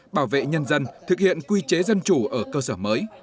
bảo vệ nhân dân thực hiện quy chế dân chủ ở cơ sở mới